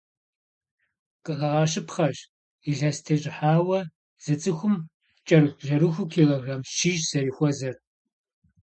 Къыхэгъэщыпхъэщ, илъэсым тещӏыхьауэ зы цӏыхум кӏэрыхубжьэрыхуу килограмм щищ зэрыхуэзэр.